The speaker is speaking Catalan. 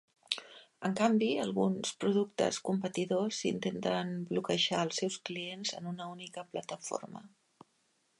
En canvi, alguns productes competidors intenten bloquejar els seus clients en una única plataforma.